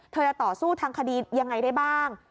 จะต่อสู้ทางคดียังไงได้บ้าง